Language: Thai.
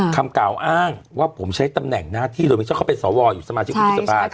คำกล่าวอ้างว่าผมใช้ตำแหน่งหน้าที่โดยมิชอบเขาเป็นสวอยู่สมาชิกวุฒิสภา